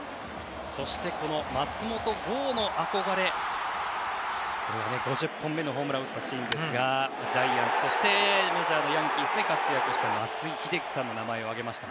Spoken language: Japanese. そして、松本剛の憧れは５０本目のホームランを打ったシーンですがジャイアンツ、そしてメジャーのヤンキースで活躍した松井秀喜さんの名前を挙げました。